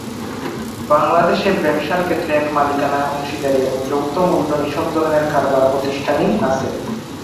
বাংলাদেশে ব্যবসায় ক্ষেত্রে এক মালিকানা, অংশীদারি এবং যৌথমূলধনী সব ধরনের কারবার প্রতিষ্ঠানই আছে